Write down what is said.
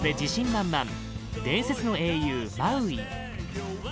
満々伝説の英雄マウイ